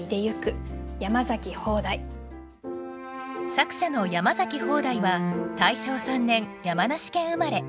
作者の山崎方代は大正３年山梨県生まれ。